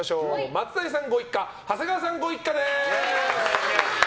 松谷さんご一家長谷川さんご一家です。